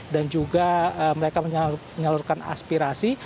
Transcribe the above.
dan juga mereka menyalurkan aspirasi